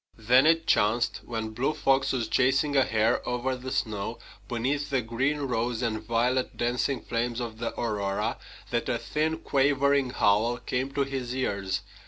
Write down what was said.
Then it chanced, when Blue Fox was chasing a hare over the snow, beneath the green, rose, and violet dancing flames of the aurora, that a thin, quavering howl came to his ears.